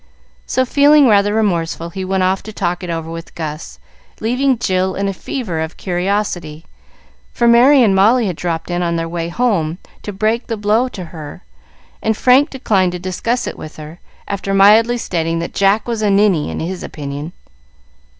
So, feeling rather remorseful, he went off to talk it over with Gus, leaving Jill in a fever of curiosity, for Merry and Molly had dropped in on their way home to break the blow to her, and Frank declined to discuss it with her, after mildly stating that Jack was "a ninny," in his opinion.